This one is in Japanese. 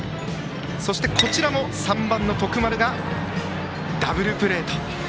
そして、こちらも３番の徳丸がダブルプレー。